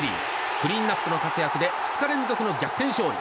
クリーンアップの活躍で２日連続の逆転勝利。